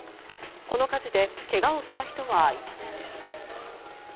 この火事で、けがをした人はいませんでした。